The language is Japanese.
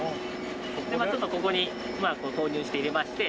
ちょっとここに投入して入れまして。